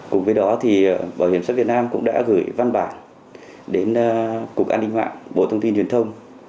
cùng với đó bảo hiểm xã hội việt nam cũng đã gửi văn bản đến cục an ninh hoạng bộ thông tin truyền thông